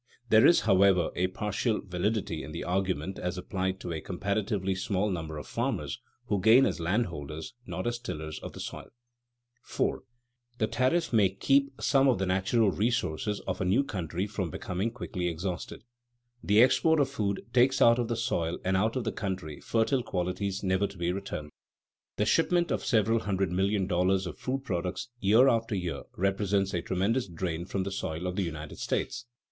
There is, however, a partial validity in the argument as applied to a comparatively small number of farmers, who gain as landholders, not as tillers of the soil. [Sidenote: Exports and exhaustion of the soil] 4. The tariff may keep some of the natural resources of a new country from becoming quickly exhausted. The export of food takes out of the soil and out of the country fertile qualities never to be returned. The shipment of several hundred million dollars of food products year after year represents a tremendous drain from the soil of the United States.